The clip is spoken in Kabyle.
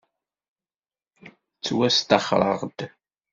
Ttwasṭaxreɣ-d.